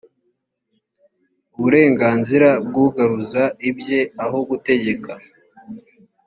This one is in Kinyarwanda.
uburenganzira bw ugaruza ibye aho gutegeka.